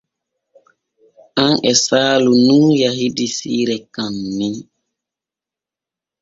An e Saalu nun yahidi siire kaanni.